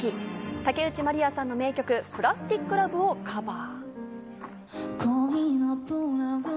竹内まりやさんの名曲『プラスティック・ラブ』をカバー。